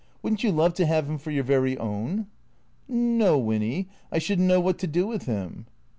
Wouldn't you love to have him for your very own ?"" No, Winny, I should n't know what to do with him."